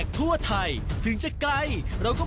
สวัสดีครับ